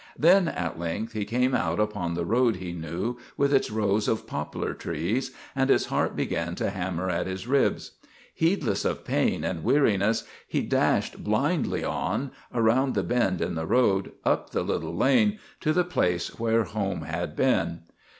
Then at length he came out upon the road he knew, with its rows of poplar trees, and his heart began to hammer at his ribs. Heedless of pain and weariness, he dashed blindly on, around the bend in the road, up the little lane, to the place where home had been.